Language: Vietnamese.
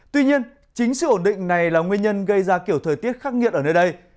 tuy nhiên chính sự ổn định này là nguyên nhân gây ra kiểu thời tiết khắc nghiệt ở nơi đây